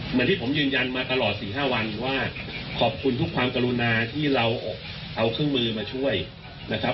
เหมือนที่ผมยืนยันมาตลอด๔๕วันว่าขอบคุณทุกความกรุณาที่เราเอาเครื่องมือมาช่วยนะครับ